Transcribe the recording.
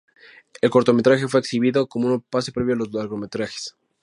El cortometraje fue exhibido como un pase previo a largometrajes.